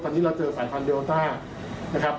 ตอนนี้เราเจอสายพันธุเดลต้านะครับ